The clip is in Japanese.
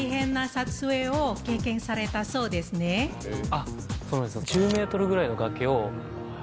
あっそうなんですよ。